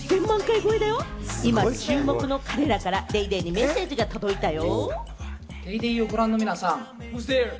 今、注目の彼らから『ＤａｙＤａｙ．』にメッセージが届いたよ！